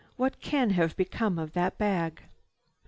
What can have become of that bag?"